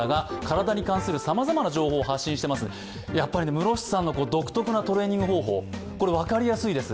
室伏さんの独特なトレーニング方法、分かりやすいです。